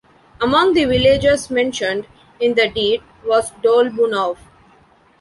Among the villages mentioned in the deed was "Dolbunov".